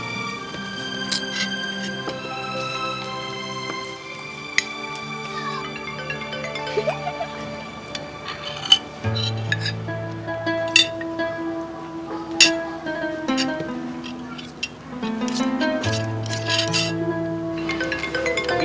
gak boleh gitu arun